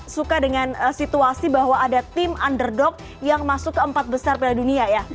suka dengan situasi bahwa ada tim underdog yang masuk ke empat besar piala dunia ya